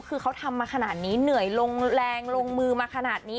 คือเขาทำมาขนาดนี้เหนื่อยลงแรงลงมือมาขนาดนี้